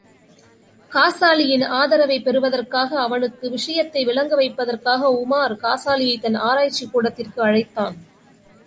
காசாலியின் ஆதரவைப் பெறுவதற்காக அவனுக்கு விஷயத்தை விளங்க வைப்பதற்காக உமார் காசாலியை தன் ஆராய்ச்சிக் கூடத்திற்கு அழைத்தான்.